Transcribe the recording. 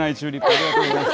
ありがとうございます。